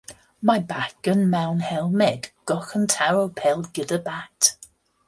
Mae bachgen mewn helmed goch yn taro pêl gyda bat.